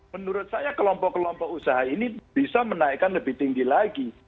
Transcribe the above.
menurut saya kelompok kelompok usaha ini bisa menaikkan lebih tinggi lagi